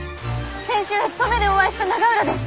先週登米でお会いした永浦です。